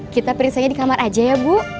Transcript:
kita periksa nya di kamar aja ya bu